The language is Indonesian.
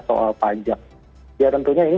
soal pajak ya tentunya ini